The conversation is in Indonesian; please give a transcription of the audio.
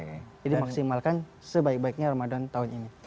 jadi maksimalkan sebaik baiknya ramadhan tahun ini